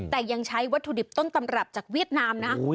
แต่ยังใช้วัตถุดิบต้นตำรับจากเวียดนามนะ